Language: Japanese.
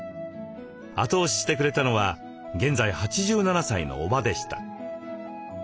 後押ししてくれたのは現在８７歳の伯母でした。